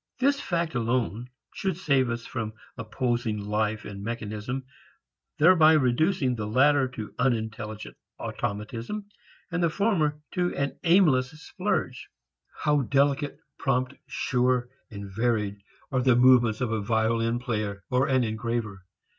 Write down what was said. This fact alone should save us from opposing life and mechanism, thereby reducing the latter to unintelligent automatism and the former to an aimless splurge. How delicate, prompt, sure and varied are the movements of a violin player or an engraver!